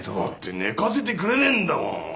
だって寝かせてくれねえんだもん。